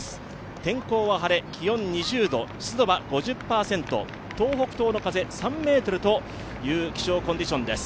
天候は晴れ、気温２０度、湿度は５０％、東北東の風３ｍという気象コンディションです。